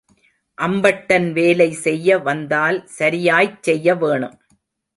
அம்பட்டன் வேலை செய்ய வந்தால் சரியாய்ச் செய்ய வேணும்.